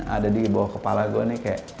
ada di bawah kepala gue nih kayak